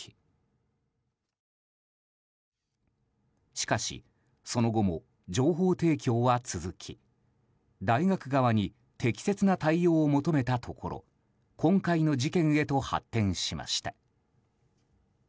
しかし、その後も情報提供は続き大学側に適切な対応を求めたところ今回の事件へと発展しました。